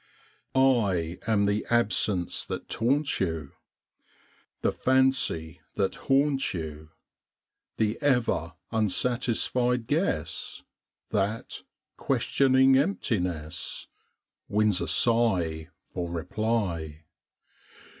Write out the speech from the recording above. I am the absence that taunts you, The fancy that haunts you; The ever unsatisfied guess That, questioning emptiness, Wins a sigh for reply.